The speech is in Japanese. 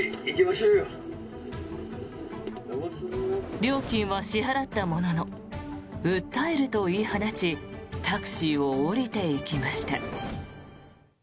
料金は支払ったものの訴えると言い放ちタクシーを降りていきました。